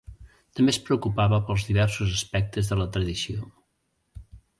També es preocupava pels diversos aspectes de la tradició.